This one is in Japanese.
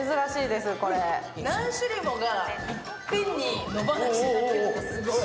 何種類もがいっぺん野放しになっているのがすごい。